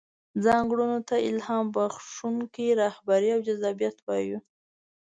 ځانګړنو ته يې الهام بښونکې رهبري او جذابيت وايو.